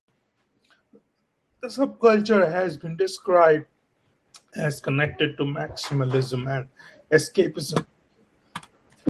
The subculture has been described as connected to maximalism and escapism.